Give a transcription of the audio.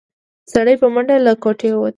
سړی په منډه له کوټې ووت.